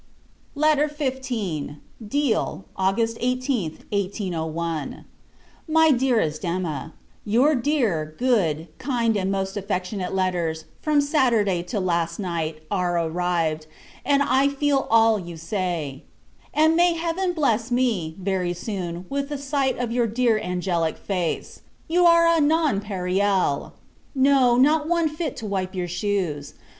LETTER XV. Deal, August 18th, 1801. MY DEAREST EMMA, Your dear, good, kind, and most affectionate letters, from Saturday to last night, are arrived, and I feel all you say; and may Heaven bless me, very soon, with a sight of your dear angelic face. You are a nonpareil! No, not one fit to wipe your shoes.